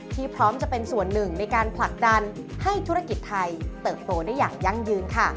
พร้อมจะเป็นส่วนหนึ่งในการผลักดันให้ธุรกิจไทยเติบโตได้อย่างยั่งยืนค่ะ